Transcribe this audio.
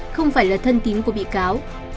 không phải là thân tím của bị cáo